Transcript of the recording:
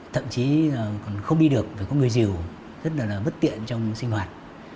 thậm chí còn không đi được phải có người dìu rất là bất tiện trong sinh hoạt